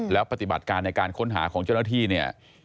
แล้วปฏิบัติการในการค้นหาของเจ้าหน้าที่เนี่ย